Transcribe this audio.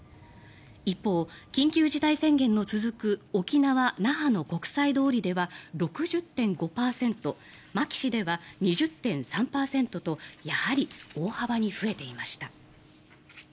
一方、緊急事態宣言の続く沖縄・那覇の国際通りでは６０．５％牧志では２０．３％とやはり大幅に増えていました。